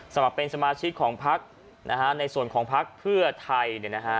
สมัครเป็นสมาชิกของภักดิ์ในส่วนของภักดิ์เพื่อไทย